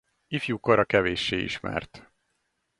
Ifjúkora kevéssé ismert.